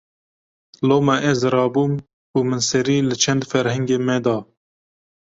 Loma ez rabûm û min serî li çend ferhengên me da